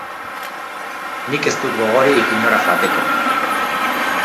Nik ez dut gogorik inora joateko.